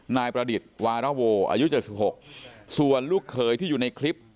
นายประดิษฐ์วาระโวอายุ๗๖ส่วนลูกเขยที่อยู่ในคลิป